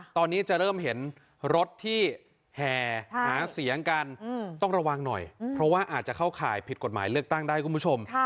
ตอนนี้จะเริ่มเห็นรถที่แห่หาเสียงกันต้องระวังหน่อยเพราะว่าอาจจะเข้าข่ายผิดกฎหมายเลือกตั้งได้คุณผู้ชม